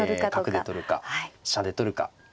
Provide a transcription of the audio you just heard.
角で取るか飛車で取るか。